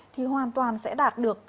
thì hoàn toàn sẽ đạt được